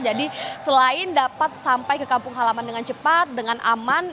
jadi selain dapat sampai ke kampung halaman dengan cepat dengan aman